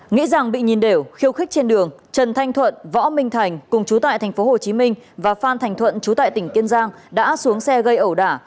nghĩ rằng bị nhìn đều khiêu khích trên đường trần thanh thuận võ minh thành cùng chú tại thành phố hồ chí minh và phan thành thuận chú tại tỉnh kiên giang đã xuống xe gây ẩu đả